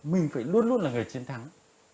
mình phải luôn luôn là người chiến thắng